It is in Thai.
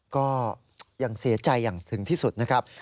ก็ยังเสียใจอย่างถึงที่สุดนะครับ